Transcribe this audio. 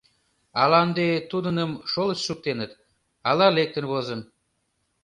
Ала ынде тудыным шолышт шуктеныт, ала лектын возын.